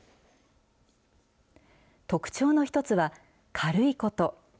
特徴の一つは軽いこと。